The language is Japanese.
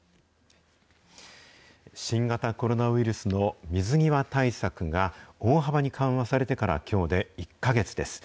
新型コロナウイルスの水際対策が大幅に緩和されてからきょうで１か月です。